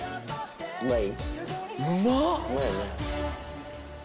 うまい？